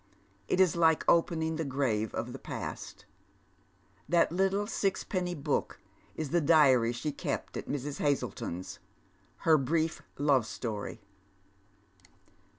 It is like opening the grave of the pflst. TImt little sixpenny book is tlie diary sh© kept at Mrs. Hazleton'fi — her brief love story.